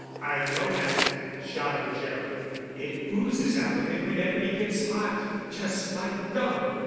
"I know that," shouted Gerald. "It oozes out of him whenever he gets hot, just like gum."